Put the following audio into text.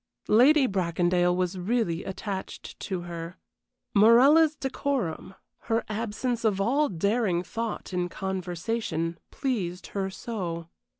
Lady Bracondale was really attached to her. Morella's decorum, her absence of all daring thought in conversation, pleased her so.